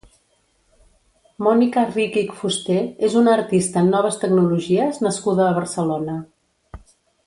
Mónica Rikić Fusté és una artista en noves tecnologies nascuda a Barcelona.